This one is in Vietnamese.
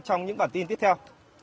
trong những bản tin tiếp theo